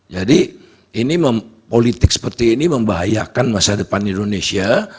jadi politik seperti ini membahayakan masa depan indonesia